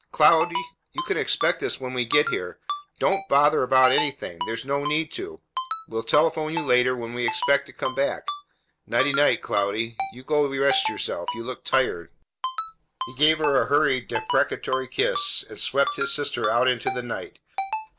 Cloudy, you can expect us when we get here. Don't bother about anything. There's no need to. We'll telephone you later when we expect to come back. Nightie, nightie, Cloudy. You go rest yourself. You look tired." He gave her a hurried, deprecatory kiss, and swept his sister out into the night.